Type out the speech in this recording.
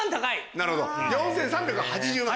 なるほど４３８０万。